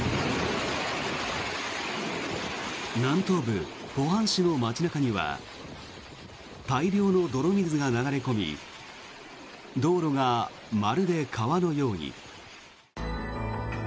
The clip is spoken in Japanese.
南東部、浦項市の街中には大量の泥水が流れ込み道路がまるで川のように。